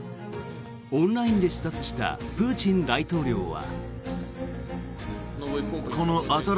オンラインで視察したプーチン大統領は。